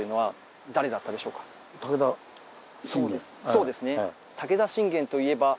そうですね。